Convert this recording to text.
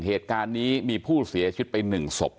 เหตุการณ์นี้มีผู้เสียชิดไปหนึ่งศพ